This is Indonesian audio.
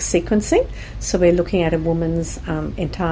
jadi kami melihat pakaian genetik seorang wanita